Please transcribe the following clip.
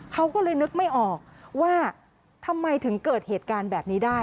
เขาก็เลยนึกไม่ออกว่าทำไมถึงเกิดเหตุการณ์แบบนี้ได้